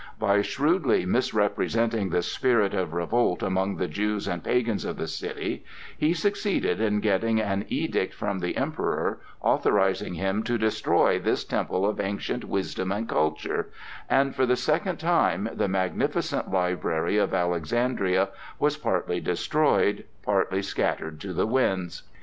By shrewdly misrepresenting the spirit of revolt among the Jews and pagans of the city, he succeeded in getting an edict from the Emperor authorizing him to destroy this temple of ancient wisdom and culture,—and, for the second time, the magnificent library of Alexandria was partly destroyed, partly scattered to the winds.